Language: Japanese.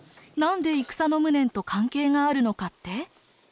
何で戦の無念と関係があるのかって？